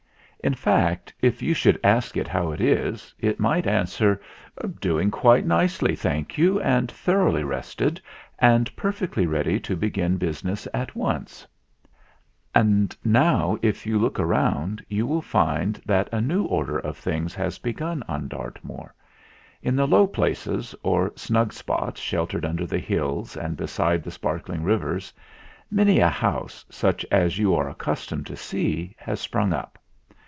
In fact, if you should ask it how it is, it might answer "Doing quite nicely, thank you, and thoroughly rested and perfectly ready to begin business at once !" And now, if you look round, you will find that a new order of things has begun on Dart moor. In the low places, or snug spots sheltered under the hills and besides the spark ling rivers, many a house, such as you are ac customed to see, has sprung up.